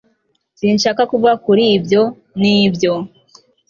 sinshaka kuvuga kuri ibyo, nibyo